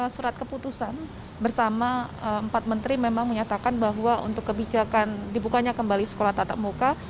surat keputusan bersama empat menteri memang menyatakan bahwa untuk kebijakan dibukanya kembali sekolah tatap muka